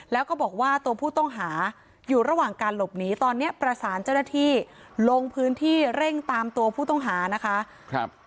แล้วก็บอกว่าตัวผู้ต้องหาอยู่ระหว่างการหลบหนีตอนนี้ประสานเจ้าหน้าที่ลงพื้นที่เร่งตามตัวผู้ต้องหานะคะ